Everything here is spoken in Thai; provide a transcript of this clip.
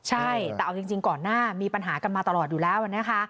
ใช่แต่เอาจริงก่อนหน้ามีปัญหากันมาตลอดอยู่แล้วนะคะ